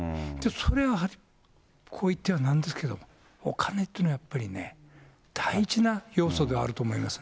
それは、こう言ってはなんですけど、お金というのはやっぱりね、大事な要素ではあると思いますね。